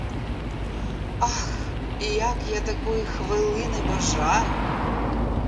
Ах, як я такої хвилини бажаю!